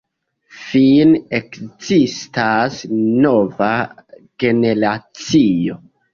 Fine ekzistas nova generacio.